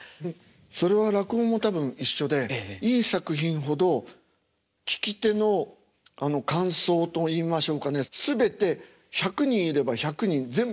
それは落語も多分一緒でいい作品ほど聴き手の感想といいましょうかね全て１００人いれば１００人全部違うと思います。